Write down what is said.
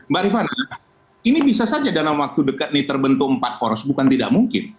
mbak rifana ini bisa saja dalam waktu dekat ini terbentuk empat poros bukan tidak mungkin